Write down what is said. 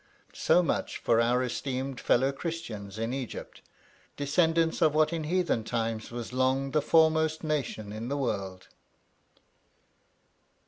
So much for our esteemed fellow Christians in Egypt, descendants of what in heathen times was long the foremost nation in the world.